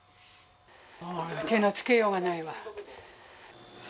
手のつけようがないわ。